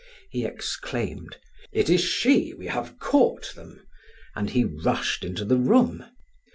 He exclaimed: "It is she. We have caught them," and he rushed into the room.